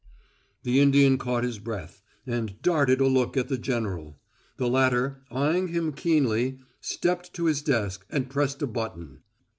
The Indian caught his breath, and darted a look at the general. The latter, eying him keenly, stepped to his desk and pressed a button.